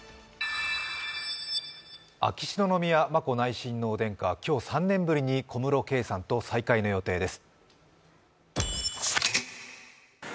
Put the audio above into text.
秋篠宮・眞子内親王殿下、今日３年ぶりに小室圭さんと再会の予定です。